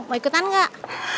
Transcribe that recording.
mau ikutan nggak